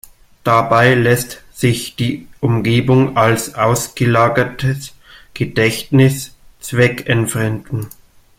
Dabei lässt sich die Umgebung als ausgelagertes Gedächtnis zweckentfremden.